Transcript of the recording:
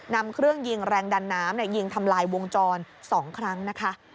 นำเครื่องยิงแรงดันน้ำยิงทำลายวงจร๒ครั้งนะคะ